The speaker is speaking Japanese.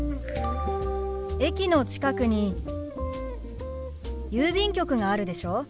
駅の近くに郵便局があるでしょ。